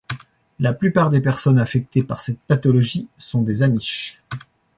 La plupart des personnes affectées par cette pathologie sont des Amishs.